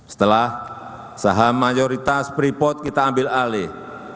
setelah saham mayoritas freeport kita ambil alih